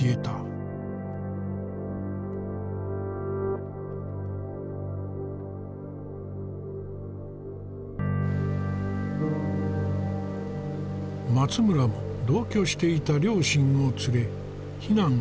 松村も同居していた両親を連れ避難しようとした。